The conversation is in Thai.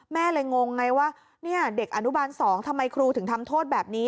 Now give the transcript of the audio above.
แม่เลยงงไงว่าเด็กอนุบาล๒ทำไมครูถึงทำโทษแบบนี้